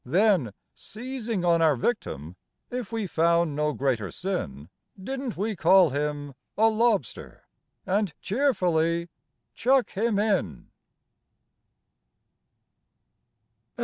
Then, seizing on our victim, if we found no greater sin, Didn't we call him "a lobster," and cheerfully chuck him in?